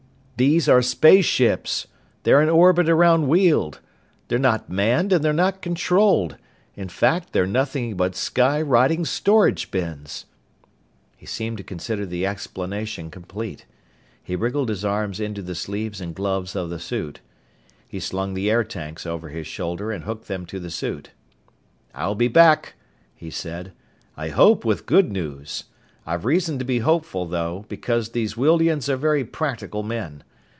These are space ships. They're in orbit around Weald. They're not manned and they're not controlled. In fact, they're nothing but sky riding storage bins!" He seemed to consider the explanation complete. He wriggled his arms into the sleeves and gloves of the suit. He slung the air tanks over his shoulder and hooked them to the suit. "I'll be back," he said. "I hope with good news. I've reason to be hopeful, though, because these Wealdians are very practical men.